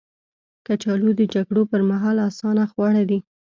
کچالو د جګړو پر مهال اسانه خواړه دي